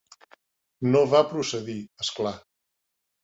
No va procedir, és clar.